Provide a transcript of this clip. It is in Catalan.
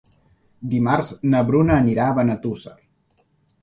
Dimarts na Bruna anirà a Benetússer.